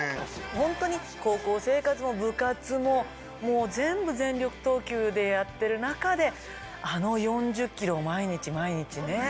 本当に高校生活も部活も全部全力投球でやってる中であの４０ｋｍを毎日毎日ね。